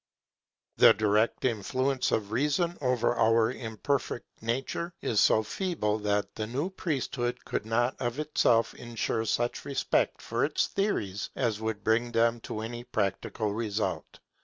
The direct influence of Reason over our imperfect nature is so feeble that the new priesthood could not of itself ensure such respect for its theories as would bring them to any practical result.